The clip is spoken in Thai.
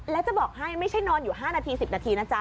แล้วจะบอกให้ไม่ใช่นอนอยู่๕นาที๑๐นาทีนะจ๊